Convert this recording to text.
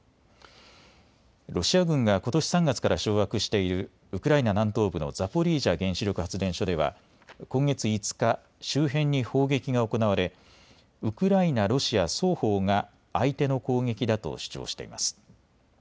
ロシア軍がことし３月から掌握しているウクライナ南東部のザポリージャ原子力発電所では今月５日、周辺に砲撃が行われウクライナ・ロシア双方が相手の攻撃だと主張しています。